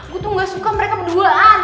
gue tuh gak suka mereka berduaan